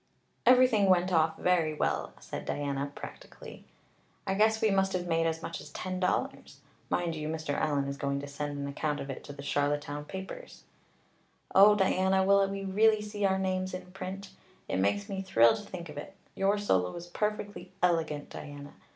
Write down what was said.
"Everything went off very well," said Diana practically. "I guess we must have made as much as ten dollars. Mind you, Mr. Allan is going to send an account of it to the Charlottetown papers." "Oh, Diana, will we really see our names in print? It makes me thrill to think of it. Your solo was perfectly elegant, Diana.